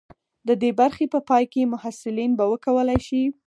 د دې برخې په پای کې محصلین به وکولی شي.